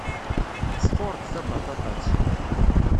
Tesfuṛ-d tabaṭaṭat.